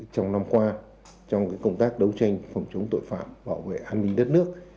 trong năm qua trong công tác đấu tranh phòng chống tội phạm bảo vệ an ninh đất nước